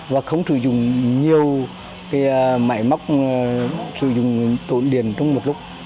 và không sử dụng nhiều cái máy móc sử dụng điện trong một lúc